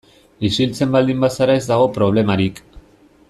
Isiltzen baldin bazara ez dago problemarik.